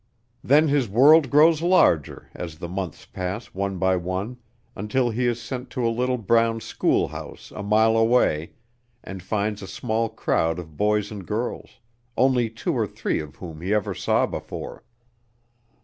Then his world grows larger as the months pass one by one, until he is sent to a little brown schoolhouse a mile away and finds a small crowd of boys and girls, only two or three of whom he ever saw before.